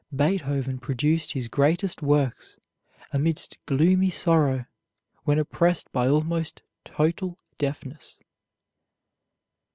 Beethoven produced his greatest works amidst gloomy sorrow, when oppressed by almost total deafness.